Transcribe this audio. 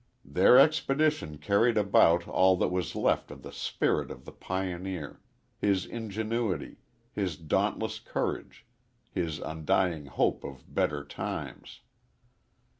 Their expedition carried about all that was left of the spirit of the pioneer his ingenuity, his dauntless courage, his undying hope of "better times."